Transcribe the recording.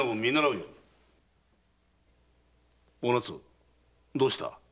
お奈津どうした？